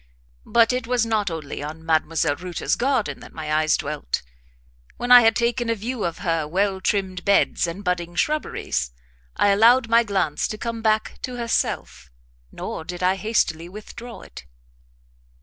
But it was not only on Mdlle. Reuter's garden that my eyes dwelt; when I had taken a view of her well trimmed beds and budding shrubberies, I allowed my glance to come back to herself, nor did I hastily withdraw it.